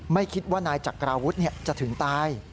ไม่คิดว่านายจักราวุฒิจะถึงตาย